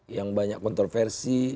yang banyak kontroversi